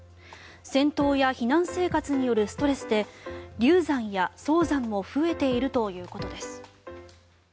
戦闘や避難生活によるストレスで流産や早産も増えているということです。